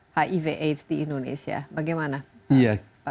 hiv aids di indonesia bagaimana